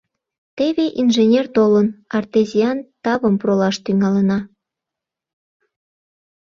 Теве инженер толын, артезиан тавым пролаш тӱҥалына.